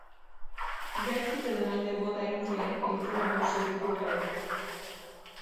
Gaizki zeuden aldeak bota egin ziren egitura nagusia ikutu gabe.